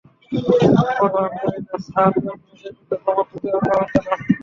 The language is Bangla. পরোয়া করি না স্যার দশ মিনিটের ভিতর বোমা খুঁজে পাও যেনো?